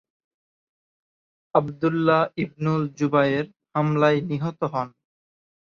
Abdullah Ibnul Zubair হামলায় নিহত হন।